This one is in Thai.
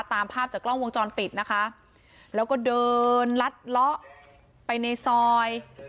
ตามภาพจากกล้องวงจรปิดนะคะแล้วก็เดินลัดเลาะไปในซอย